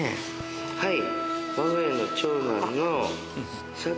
はい。